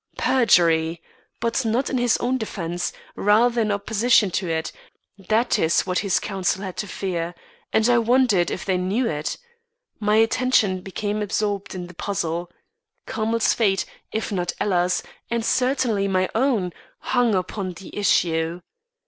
Perjury! but not in his own defence rather in opposition to it that is what his counsel had to fear; and I wondered if they knew it. My attention became absorbed in the puzzle. Carmel's fate, if not Ella's and certainly my own hung upon the issue.